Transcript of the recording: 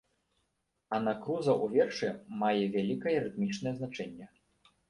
Анакруза ў вершы мае вялікае рытмічнае значэнне.